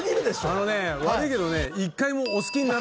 あのね悪いけどね。